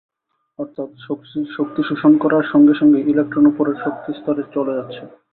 অর্থাৎ শক্তি শোষণ করার সঙ্গে সঙ্গেই ইলেকট্রন ওপরের শক্তিস্তরে চলে যাচ্ছে।